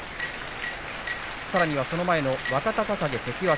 さらにはその前、若隆景関脇